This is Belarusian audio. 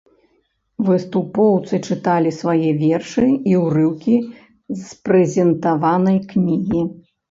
Выступоўцы чыталі свае вершы і ўрыўкі з прэзентаванай кнігі.